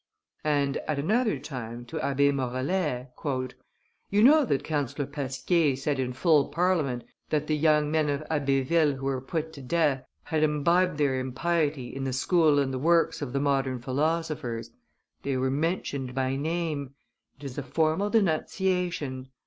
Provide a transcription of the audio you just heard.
And, at another time, to Abbe Morellet, "You know that Councillor Pasquier said in full Parliament that the young men of Abbeville who were put to death had imbibed their impiety in the school and the works of the modern philosophers. ... They were mentioned by name; it is a formal denunciation.